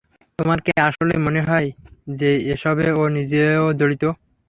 তোমার কি আসলেই মনে হয় যে এসবে ও নিজেও জড়িত?